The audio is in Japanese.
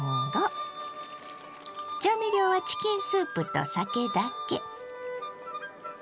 調味料はチキンスープと酒だけ。